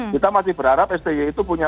kita masih berharap sti itu punya